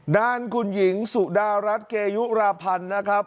ด้านคุณหญิงสุดารัฐเกยุราพันธ์นะครับ